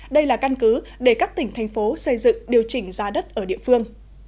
đây là căn cứ để các tỉnh thành phố xây dựng điều chỉnh giá đất ở địa phương